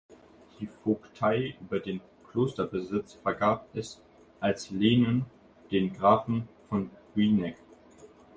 Die Vogtei über den Klosterbesitz vergab es als Lehen den Grafen von Rieneck.